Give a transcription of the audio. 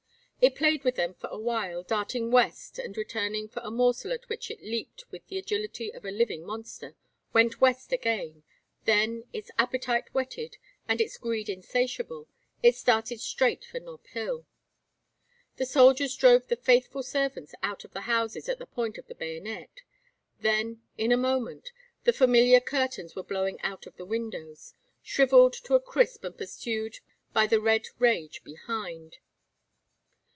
It played with them for a while, darting west and returning for a morsel at which it leaped with the agility of a living monster, went west again; then, its appetite whetted and its greed insatiable, it started straight for Nob Hill. The soldiers drove the faithful servants out of the houses at the point of the bayonet. Then in a moment the familiar curtains were blowing out of the windows shrivelled to a crisp and pursued by the red rage behind.